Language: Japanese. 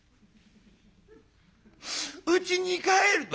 「うちに帰ると」。